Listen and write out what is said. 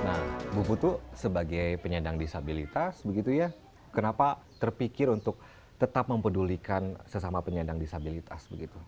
nah bu putu sebagai penyandang disabilitas kenapa terpikir untuk tetap mempedulikan sesama penyandang disabilitas